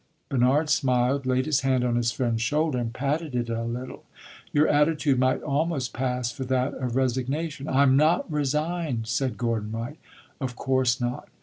Bernard smiled, laid his hand on his friend's shoulder and patted it a little. "Your attitude might almost pass for that of resignation." "I 'm not resigned!" said Gordon Wright. "Of course not.